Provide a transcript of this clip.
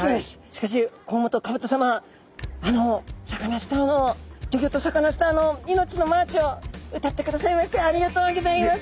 しかし甲本甲さまあの「サカナ★スター」の「ギョギョッとサカナ★スター」の「イノチノマーチ」を歌ってくださいましてありがとうギョざいます。